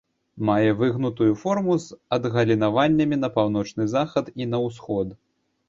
Мае выгнутую форму з адгалінаваннямі на паўночны захад і на ўсход.